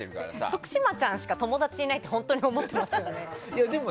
徳島ちゃんしか友達いないって本当に思ってますよね。